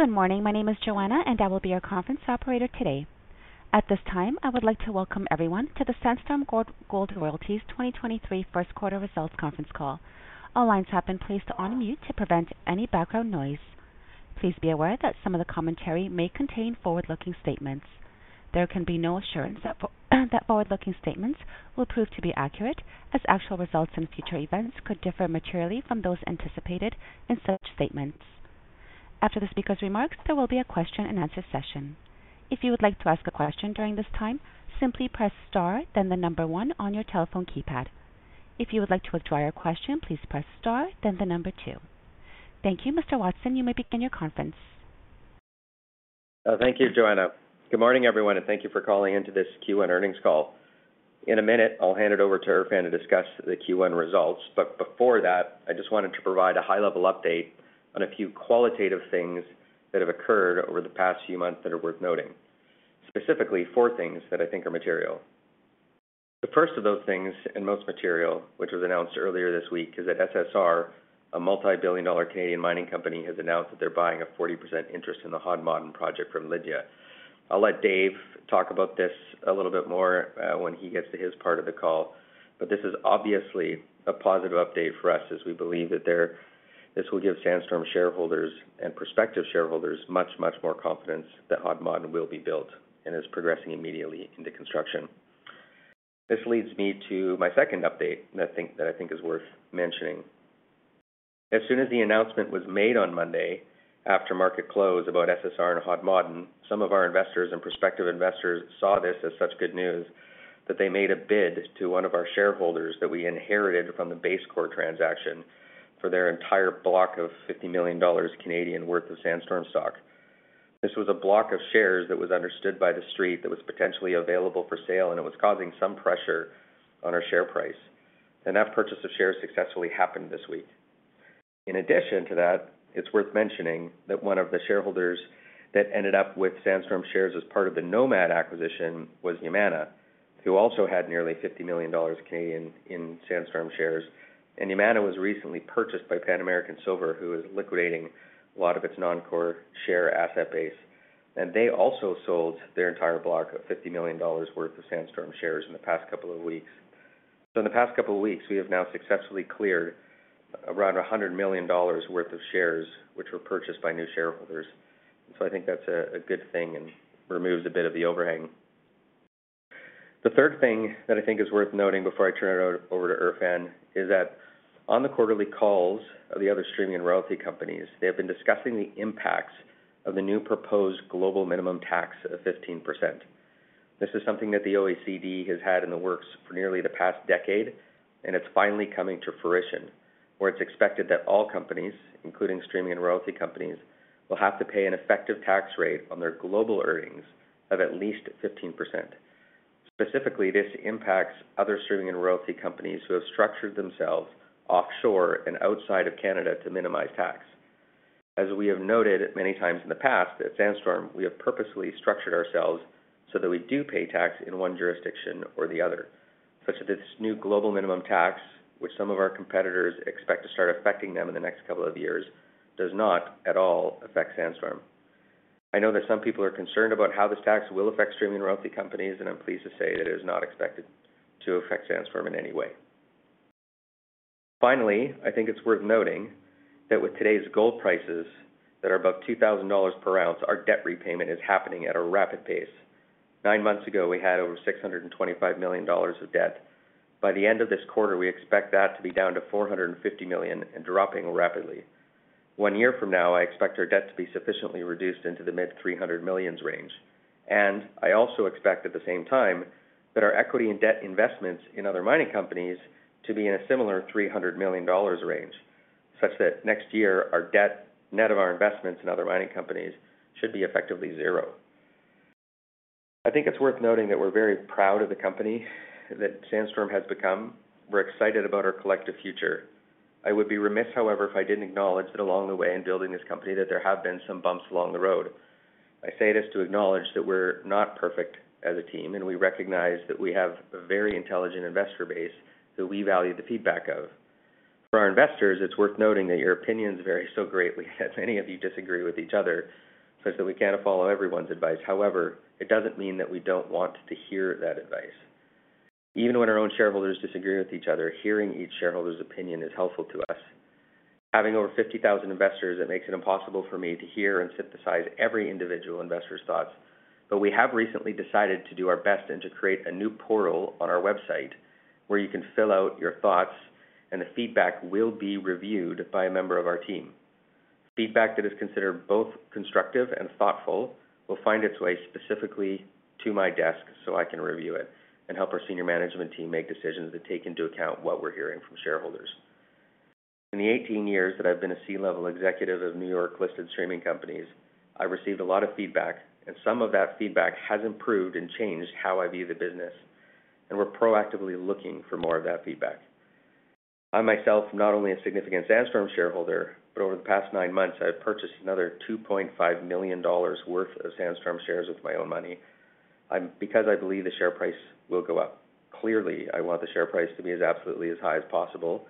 Good morning. My name is Joanna, and I will be your conference operator today. At this time, I would like to welcome everyone to the Sandstorm Gold Royalties 2023 first quarter results conference call. All lines have been placed on mute to prevent any background noise. Please be aware that some of the commentary may contain forward-looking statements. There can be no assurance that forward-looking statements will prove to be accurate, as actual results in future events could differ materially from those anticipated in such statements. After the speaker's remarks, there will be a question-and-answer session. If you would like to ask a question during this time, simply press star then the number one on your telephone keypad. If you would like to withdraw your question, please press star then the number two. Thank you. Mr. Watson, you may begin your conference. Thank you, Joanna. Good morning, everyone, and thank you for calling in to this Q1 earnings call. In a minute, I'll hand it over to Erfan to discuss the Q1 results, but before that, I just wanted to provide a high-level update on a few qualitative things that have occurred over the past few months that are worth noting, specifically four things that I think are material. The first of those things, and most material, which was announced earlier this week, is that SSR, a multi-billion dollar Canadian mining company, has announced that they're buying a 40% interest in the Hod Maden project from Lidya. I'll let Dave talk about this a little bit more, when he gets to his part of the call, but this is obviously a positive update for us as we believe that this will give Sandstorm shareholders and prospective shareholders much, much more confidence that Hod Maden will be built and is progressing immediately into construction. This leads me to my second update that I think is worth mentioning. As soon as the announcement was made on Monday after market close about SSR and Hod Maden, some of our investors and prospective investors saw this as such good news that they made a bid to one of our shareholders that we inherited from the BaseCore transaction for their entire block of 50 million Canadian dollars worth of Sandstorm stock. This was a block of shares that was understood by the street that was potentially available for sale, and it was causing some pressure on our share price, and that purchase of shares successfully happened this week. In addition to that, it's worth mentioning that one of the shareholders that ended up with Sandstorm shares as part of the Nomad acquisition was Yamana, who also had nearly 50 million Canadian dollars in Sandstorm shares, and Yamana was recently purchased by Pan American Silver, who is liquidating a lot of its non-core share asset base, and they also sold their entire block of 50 million dollars worth of Sandstorm shares in the past couple of weeks. In the past couple of weeks, we have now successfully cleared around 100 million dollars worth of shares, which were purchased by new shareholders. I think that's a good thing and removes a bit of the overhang. The third thing that I think is worth noting before I turn it over to Erfan is that on the quarterly calls of the other streaming and royalty companies, they have been discussing the impacts of the new proposed global minimum tax of 15%. This is something that the OECD has had in the works for nearly the past decade, and it's finally coming to fruition, where it's expected that all companies, including streaming and royalty companies, will have to pay an effective tax rate on their global earnings of at least 15%. Specifically, this impacts other streaming and royalty companies who have structured themselves offshore and outside of Canada to minimize tax. As we have noted many times in the past, at Sandstorm, we have purposefully structured ourselves so that we do pay tax in one jurisdiction or the other, such that this new global minimum tax, which some of our competitors expect to start affecting them in the next couple of years, does not at all affect Sandstorm. I know that some people are concerned about how this tax will affect streaming royalty companies, and I'm pleased to say that it is not expected to affect Sandstorm in any way. Finally, I think it's worth noting that with today's gold prices that are above $2,000 per ounce, our debt repayment is happening at a rapid pace. Nine months ago, we had over $625 million of debt. By the end of this quarter, we expect that to be down to $450 million and dropping rapidly. One year from now, I expect our debt to be sufficiently reduced into the mid-$300 million range, and I also expect at the same time that our equity and debt investments in other mining companies to be in a similar $300 million range, such that next year our debt net of our investments in other mining companies should be effectively zero. I think it's worth noting that we're very proud of the company that Sandstorm has become. We're excited about our collective future. I would be remiss, however, if I didn't acknowledge that along the way in building this company that there have been some bumps along the road. I say this to acknowledge that we're not perfect as a team, and we recognize that we have a very intelligent investor base that we value the feedback of. For our investors, it's worth noting that your opinions vary so greatly as many of you disagree with each other such that we cannot follow everyone's advice. It doesn't mean that we don't want to hear that advice. Even when our own shareholders disagree with each other, hearing each shareholder's opinion is helpful to us. Having over 50,000 investors, it makes it impossible for me to hear and synthesize every individual investor's thoughts, but we have recently decided to do our best and to create a new portal on our website where you can fill out your thoughts, and the feedback will be reviewed by a member of our team. Feedback that is considered both constructive and thoughtful will find its way specifically to my desk so I can review it and help our senior management team make decisions that take into account what we're hearing from shareholders. In the 18 years that I've been a C-level executive of New York-listed streaming companies, I received a lot of feedback. Some of that feedback has improved and changed how I view the business. We're proactively looking for more of that feedback. I myself am not only a significant Sandstorm shareholder, but over the past nine months, I've purchased another $2.5 million worth of Sandstorm shares with my own money. Because I believe the share price will go up. Clearly, I want the share price to be as absolutely as high as possible.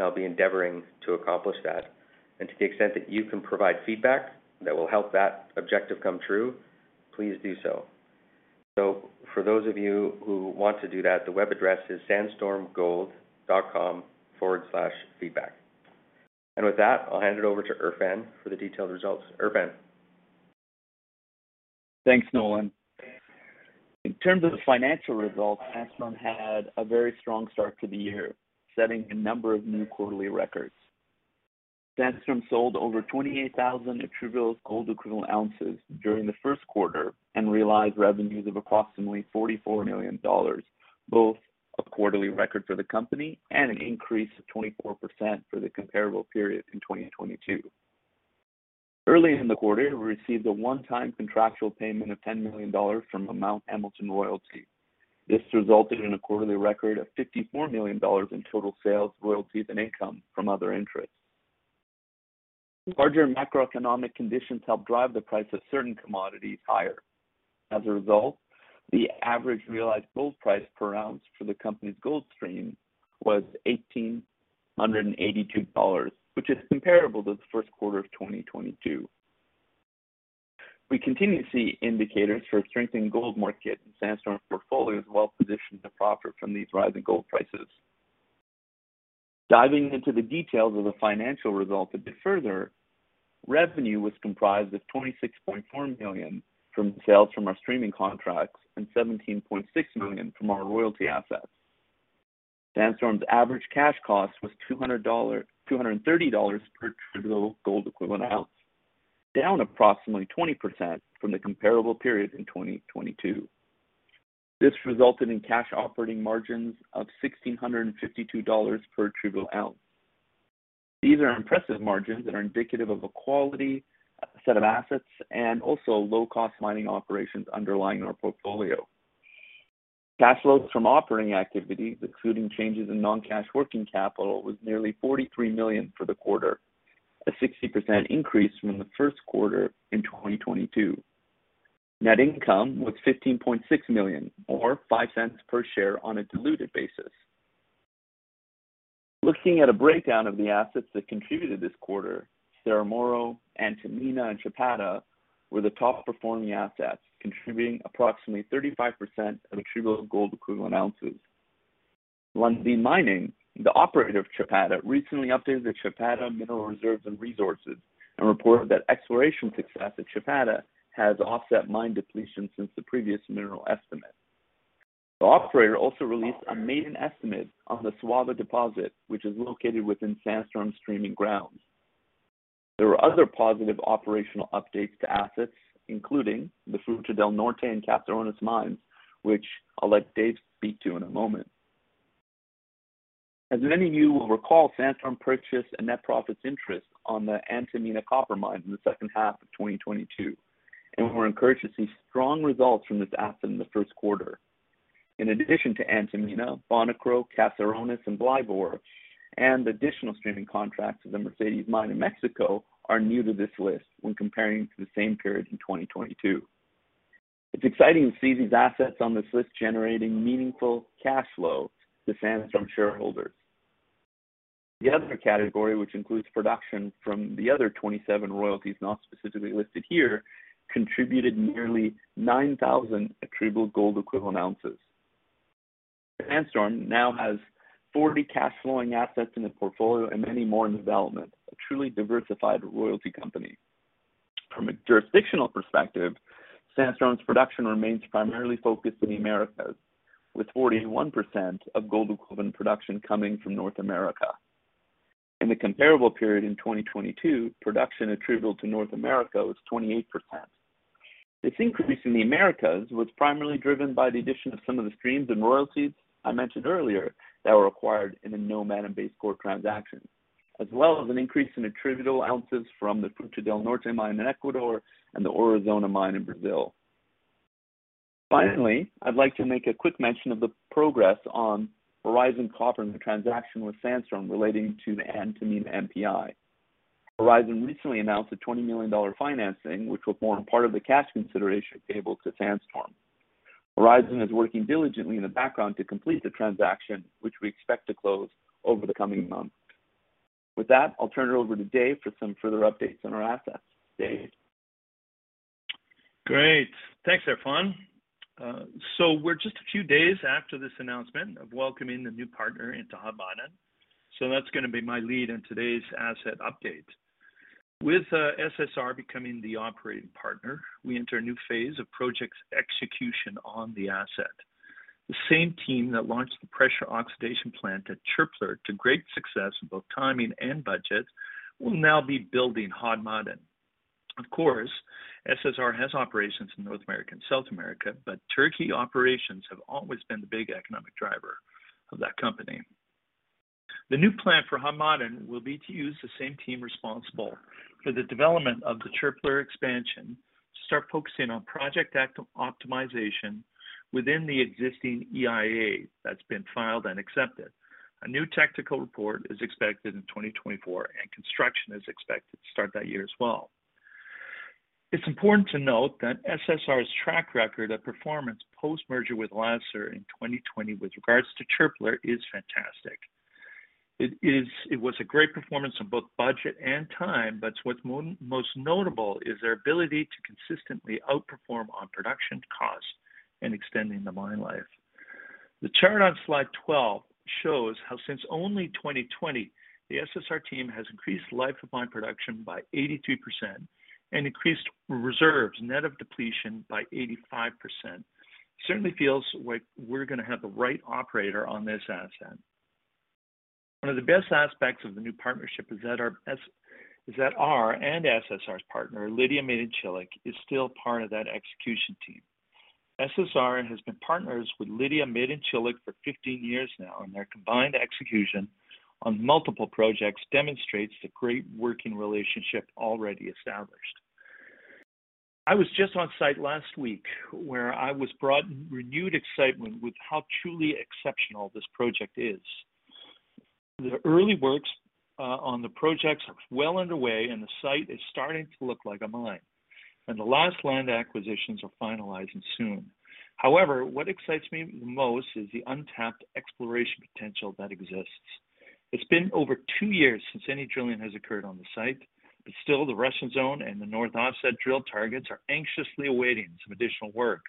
I'll be endeavoring to accomplish that. To the extent that you can provide feedback that will help that objective come true, please do so. For those of you who want to do that, the web address is sandstormgold.com/feedback. With that, I'll hand it over to Erfan for the detailed results. Erfan. Thanks, Nolan. In terms of the financial results, Sandstorm had a very strong start to the year, setting a number of new quarterly records. Sandstorm sold over 28,000 attributable gold equivalent ounces during the first quarter and realized revenues of approximately $44 million, both a quarterly record for the company and an increase of 24% for the comparable period in 2022. Early in the quarter, we received a one-time contractual payment of $10 million from Mount Hamilton Royalty. This resulted in a quarterly record of $54 million in total sales, royalties, and income from other interests. Larger macroeconomic conditions helped drive the price of certain commodities higher. As a result, the average realized gold price per ounce for the company's gold stream was $1,882, which is comparable to the first quarter of 2022. We continue to see indicators for a strengthening gold market, and Sandstorm's portfolio is well-positioned to profit from these rising gold prices. Diving into the details of the financial results a bit further, revenue was comprised of $26.4 million from sales from our streaming contracts and $17.6 million from our royalty assets. Sandstorm's average cash cost was $230 per attributable gold equivalent ounce, down approximately 20% from the comparable period in 2022. This resulted in cash operating margins of $1,652 per attributable ounce. These are impressive margins that are indicative of a quality set of assets and also low-cost mining operations underlying our portfolio. Cash flows from operating activities, excluding changes in non-cash working capital, was nearly $43 million for the quarter, a 60% increase from the first quarter in 2022. Net income was $15.6 million or $0.05 per share on a diluted basis. Looking at a breakdown of the assets that contributed this quarter, Cerro Moro, Antamina, and Chapada were the top-performing assets, contributing approximately 35% of attributable gold-equivalent ounces. Lundin Mining, the operator of Chapada, recently updated the Chapada mineral reserves and resources and reported that exploration success at Chapada has offset mine depletion since the previous mineral estimate. The operator also released a maiden estimate on the Sauva deposit, which is located within Sandstorm streaming grounds. There were other positive operational updates to assets, including the Fruta del Norte and Caserones mines, which I'll let Dave speak to in a moment. As many of you will recall, Sandstorm purchased a net profits interest on the Antamina copper mine in the second half of 2022. We're encouraged to see strong results from this asset in the first quarter. Additional streaming contracts with the Mercedes mine in Mexico are new to this list when comparing to the same period in 2022, in addition to Antamina, Bonikro, Caserones, and Blyvoor. It's exciting to see these assets on this list generating meaningful cash flow to Sandstorm shareholders. The other category, which includes production from the other 27 royalties not specifically listed here, contributed nearly 9,000 attributable gold equivalent ounces. Sandstorm now has 40 cash-flowing assets in the portfolio and many more in development, a truly diversified royalty company. From a jurisdictional perspective, Sandstorm's production remains primarily focused in the Americas, with 41% of gold equivalent production coming from North America. In the comparable period in 2022, production attributable to North America was 28%. This increase in the Americas was primarily driven by the addition of some of the streams and royalties I mentioned earlier that were acquired in the Nomad and BaseCore transaction, as well as an increase in attributable ounces from the Fruta del Norte mine in Ecuador and the Aurizona mine in Brazil. I'd like to make a quick mention of the progress on Horizon Copper and the transaction with Sandstorm relating to the Antamina NPI. Horizon recently announced a $20 million financing, which will form part of the cash consideration payable to Sandstorm. Horizon is working diligently in the background to complete the transaction, which we expect to close over the coming months. With that, I'll turn it over to Dave for some further updates on our assets. Dave? Great. Thanks, Erfan. We're just a few days after this announcement of welcoming the new partner into Hod Maden. That's gonna be my lead in today's asset update. With SSR becoming the operating partner, we enter a new phase of project's execution on the asset. The same team that launched the pressure oxidation plant at Çöpler to great success in both timing and budget, will now be building Hod Maden. Of course, SSR has operations in North America and South America, but Turkey operations have always been the big economic driver of that company. The new plan for Hod Maden will be to use the same team responsible for the development of the Çöpler expansion to start focusing on project optimization within the existing EIA that's been filed and accepted. A new technical report is expected in 2024, construction is expected to start that year as well. It's important to note that SSR's track record of performance post-merger with Alacer Gold in 2020 with regards to Çöpler is fantastic. It was a great performance on both budget and time, what's most notable is their ability to consistently outperform on production costs and extending the mine life. The chart on slide 12 shows how since only 2020, the SSR team has increased life of mine production by 82% and increased reserves net of depletion by 85%. Certainly feels like we're gonna have the right operator on this asset. One of the best aspects of the new partnership is that our and SSR's partner, Lidya Madencilik, is still part of that execution team. SSR has been partners with Lidya Madencilik for 15 years now, and their combined execution on multiple projects demonstrates the great working relationship already established. I was just on site last week where I was brought renewed excitement with how truly exceptional this project is. The early works on the projects are well underway and the site is starting to look like a mine, and the last land acquisitions are finalizing soon. However, what excites me the most is the untapped exploration potential that exists. It's been over two years since any drilling has occurred on the site, but still the Russian zone and the north offset drill targets are anxiously awaiting some additional work.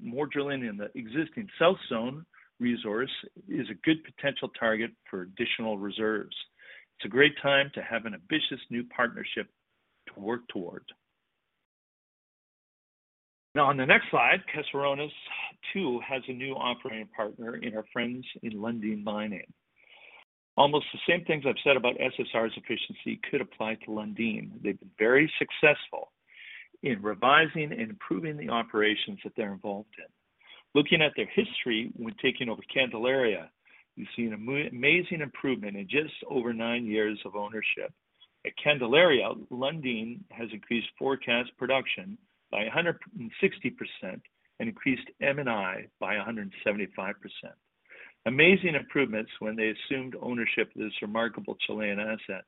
More drilling in the existing south zone resource is a good potential target for additional reserves. It's a great time to have an ambitious new partnership to work towards. On the next slide, Caserones too has a new operating partner in our friends in Lundin Mining. Almost the same things I've said about SSR's efficiency could apply to Lundin. They've been very successful in revising and improving the operations that they're involved in. Looking at their history when taking over Candelaria, we've seen amazing improvement in just over nine years of ownership. At Candelaria, Lundin has increased forecast production by 160% and increased M&I by 175%. Amazing improvements when they assumed ownership of this remarkable Chilean asset.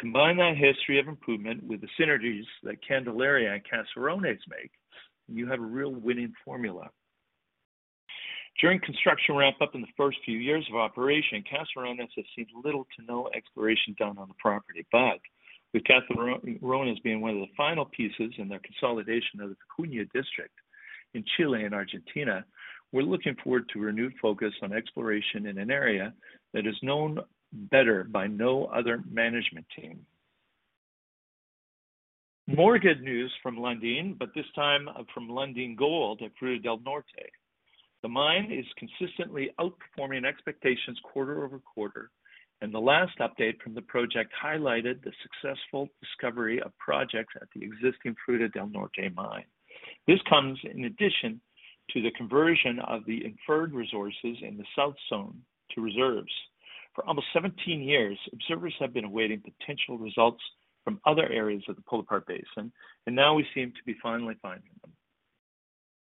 Combine that history of improvement with the synergies that Candelaria and Caserones make, and you have a real winning formula. During construction ramp-up in the first few years of operation, Caserones has seen little to no exploration done on the property, but with Caserones being one of the final pieces in their consolidation of the Vicuña District in Chile and Argentina, we're looking forward to a renewed focus on exploration in an area that is known better by no other management team. More good news from Lundin, but this time from Lundin Gold at Fruta del Norte. The mine is consistently outperforming expectations quarter-over-quarter, and the last update from the project highlighted the successful discovery of projects at the existing Fruta del Norte mine. This comes in addition to the conversion of the inferred resources in the south zone to reserves. For almost 17 years, observers have been awaiting potential results from other areas of the Suárez Pull-Apart Basin, now we seem to be finally finding them.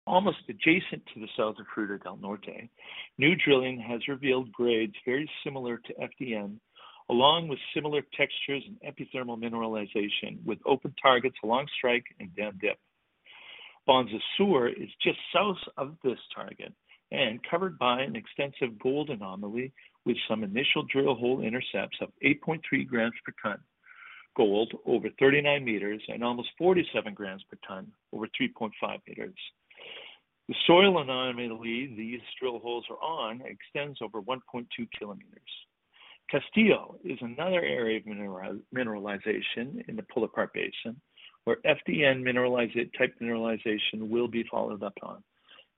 Almost adjacent to the south of Fruta del Norte, new drilling has revealed grades very similar to FDN, along with similar textures and epithermal mineralization, with open targets along strike and down dip. Bonza Sur is just south of this target and covered by an extensive gold anomaly with some initial drill hole intercepts of 8.3 g/t gold over 39 m and almost 47 g/t over 3.5 meters. The soil anomaly these drill holes are on extends over 1.2 km. Castillo is another area of mineralization in the Suárez Pull-Apart Basin, where FDN type mineralization will be followed up on.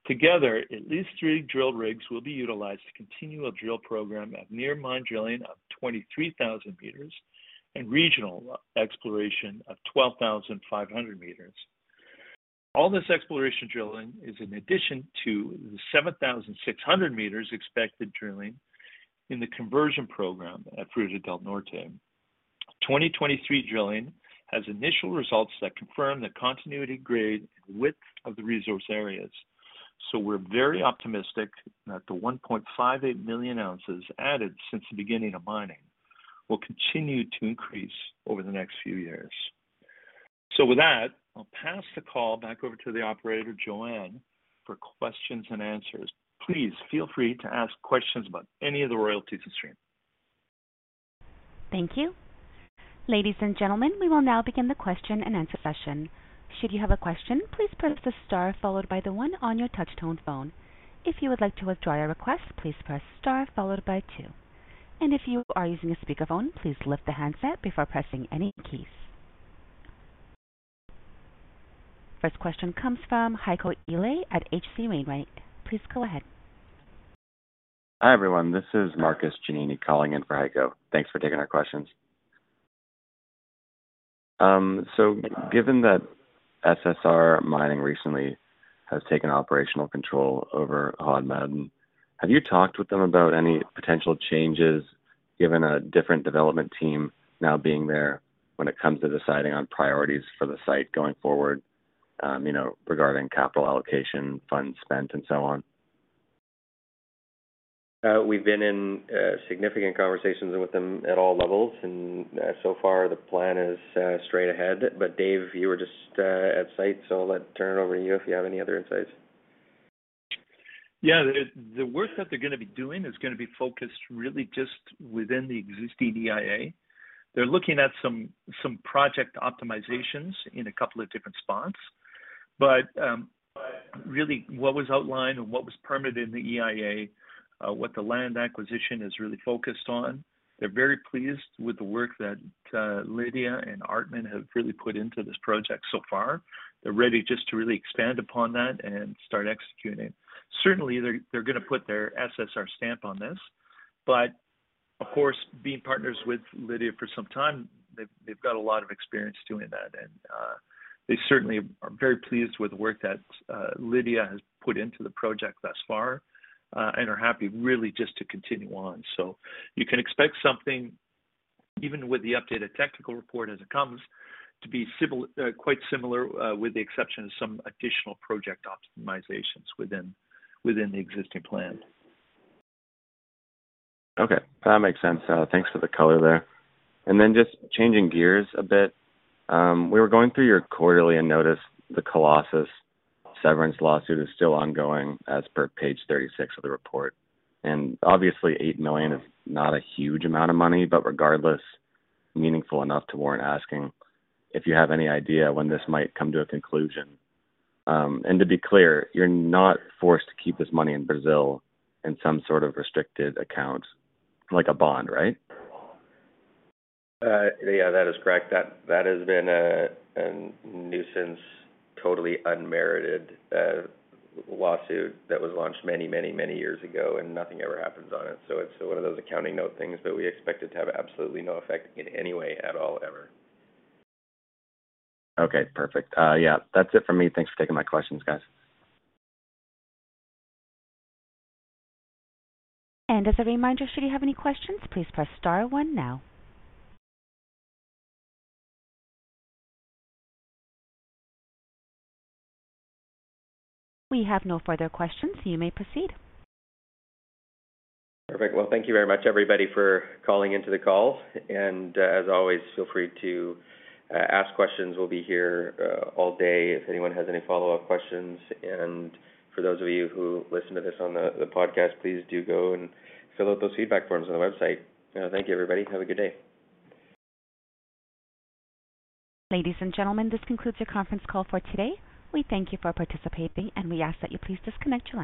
Together, at least three drill rigs will be utilized to continue a drill program of near mine drilling of 23,000 m and regional exploration of 12,500 m. All this exploration drilling is in addition to the 7,600 m expected drilling in the conversion program at Fruta del Norte. 2023 drilling has initial results that confirm the continuity grade and width of the resource areas. We're very optimistic that the 1.58 million ounces added since the beginning of mining will continue to increase over the next few years. With that, I'll pass the call back over to the operator, Joanna, for questions and answers. Please feel free to ask questions about any of the royalties and streams. Thank you. Ladies and gentlemen, we will now begin the question and answer session. Should you have a question, please press the star followed by the one on your touch-tone phone. If you would like to withdraw your request, please press star followed by two. If you are using a speakerphone, please lift the handset before pressing any keys. First question comes from Heiko Ihle at H.C. Wainwright & Co. Please go ahead. Hi, everyone. This is Marcus Giannini calling in for Heiko. Thanks for taking our questions. Given that SSR Mining recently has taken operational control over Hod Maden, have you talked with them about any potential changes given a different development team now being there when it comes to deciding on priorities for the site going forward? You know, regarding capital allocation, funds spent, and so on. We've been in significant conversations with them at all levels. So far the plan is straight ahead. Dave, you were just at site, so I'll turn it over to you if you have any other insights. Yeah. The work that they're gonna be doing is gonna be focused really just within the existing EIA. They're looking at some project optimizations in a couple of different spots. Really what was outlined and what was permitted in the EIA, what the land acquisition is really focused on, they're very pleased with the work that Lidya and Artmin have really put into this project so far. They're ready just to really expand upon that and start executing. Certainly they're gonna put their SSR stamp on this. Of course, being partners with Lidya for some time, they've got a lot of experience doing that. They certainly are very pleased with the work that Lidya has put into the project thus far, and are happy really just to continue on. You can expect something, even with the updated technical report as it comes, to be quite similar, with the exception of some additional project optimizations within the existing plan. Okay. That makes sense. Thanks for the color there. Just changing gears a bit, we were going through your quarterly and noticed the Colossus severance lawsuit is still ongoing as per page 36 of the report. Obviously $8 million is not a huge amount of money, but regardless, meaningful enough to warrant asking if you have any idea when this might come to a conclusion. To be clear, you're not forced to keep this money in Brazil in some sort of restricted account like a bond, right? Yeah, that is correct. That has been a nuisance, totally unmerited, lawsuit that was launched many years ago, and nothing ever happens on it. It's one of those accounting note things that we expect it to have absolutely no effect in any way at all, ever. Okay, perfect. Yeah, that's it for me. Thanks for taking my questions, guys. As a reminder, should you have any questions, please press star one now. We have no further questions. You may proceed. Perfect. Well, thank you very much, everybody, for calling into the call. As always, feel free to ask questions. We'll be here all day if anyone has any follow-up questions. For those of you who listen to this on the podcast, please do go and fill out those feedback forms on the website. Thank you, everybody. Have a good day. Ladies and gentlemen, this concludes your conference call for today. We thank you for participating, and we ask that you please disconnect your line.